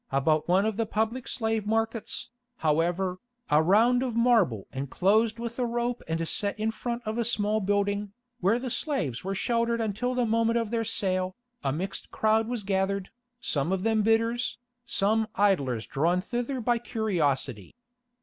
About one of the public slave markets, however, a round of marble enclosed with a rope and set in front of a small building, where the slaves were sheltered until the moment of their sale, a mixed crowd was gathered, some of them bidders, some idlers drawn thither by curiosity.